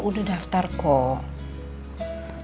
udah daftar kok